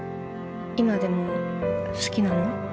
今でも好きなの？